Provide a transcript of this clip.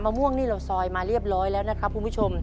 ม่วงนี่เราซอยมาเรียบร้อยแล้วนะครับคุณผู้ชม